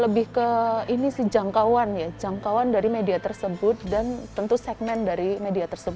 lebih ke ini sih jangkauan ya jangkauan dari media tersebut dan tentu segmennya